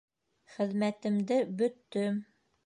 Хеҙмәтемде бөттөм.